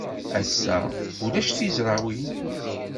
Ass-a, ulac tizrawin.